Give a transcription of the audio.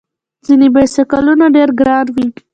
ځینې بایسکلونه ډېر ګران وي.